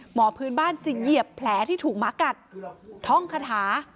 หมอพื้นบ้านจะเหยียบแผลที่ถูกหมากัดท่องคาถา